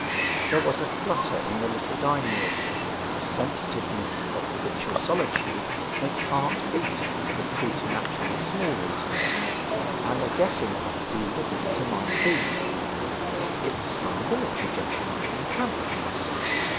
There was a flutter in the little dining room the sensitiveness of habitual solitude makes hearts beat for preternaturally small reasons and a guessing as to who the visitor might be. It was some military gentleman from the camp perhaps?